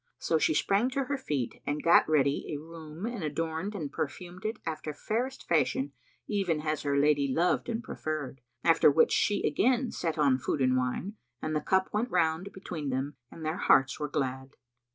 So she sprang to her feet and gat ready a room and adorned and perfumed it after fairest fashion even as her lady loved and preferred; after which she again set on food and wine, and the cup went round between them and their hearts were glad.